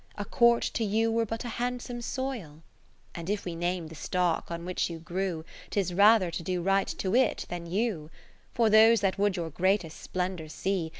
A Court to you were but a hand some soil. And if we name the stock on which you grew, 'Tis rather to do right to it than you : For those that would your greatest splendour see.